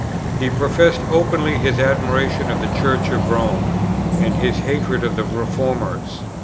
He professed openly his admiration of the Church of Rome, and his hatred of the Reformers.